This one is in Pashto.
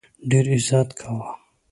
ډېر عزت کاوه.